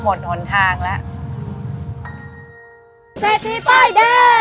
หมดหนทางแล้ว